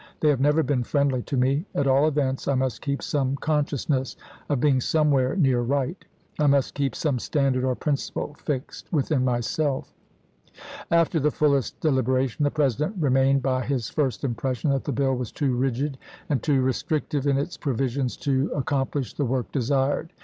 They have never been friendly to me. At all events, I must keep some conscious ness of being somewhere near right. I must keep i)ia"y. some standard or principle fixed within myself." After the fullest deliberation the President re mained by his first impression that the bill was too rigid and too restrictive in its provisions to accom plish the work desired.